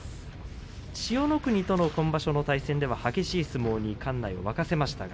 千代の国、今場所の対戦では激しい相撲で館内を沸かせました。